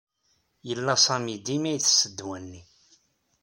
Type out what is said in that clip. Yella Sami dima itess ddwa-nni.